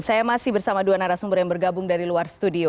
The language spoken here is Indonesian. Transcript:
saya masih bersama dua narasumber yang bergabung dari luar studio